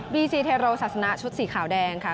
ีซีเทโรศาสนาชุดสีขาวแดงค่ะ